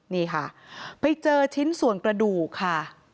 นี่ค่ะไปเจอชิ้นส่วนกระดูกค่ะ